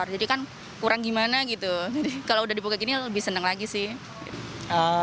jadi kan kurang gimana gitu kalau udah dibuka gini lebih senang lagi sih